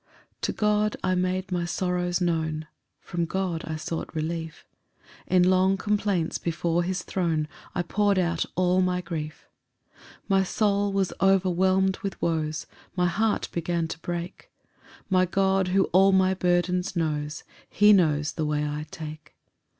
1 To God I made my sorrows known, From God I sought relief; In long complaints before his throne I pour'd out all my grief. 2 My soul was overwhelm'd with woes, My heart began to break; My God, who all my burdens knows, He knows the way I take.